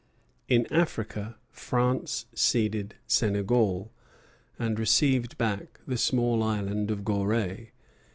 In Africa France ceded Senegal, and received back the small Island of Gorée.